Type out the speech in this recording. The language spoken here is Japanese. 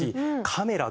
カメラ